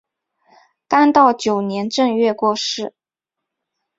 干道九年正月过世。